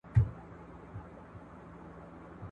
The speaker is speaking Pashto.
خدای خبر چي بیا به درسم پر ما مه ګوره فالونه ..